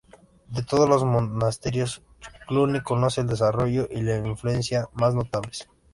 De todos los monasterios, Cluny conoce el desarrollo y la influencia más notables.